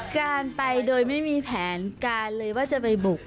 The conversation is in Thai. การไปโดยไม่มีแผนการเลยว่าจะไปบุก